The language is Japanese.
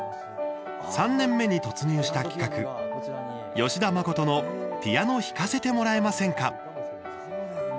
３年目に突入した企画「吉田真人のピアノ弾かせてもらえませんか？」。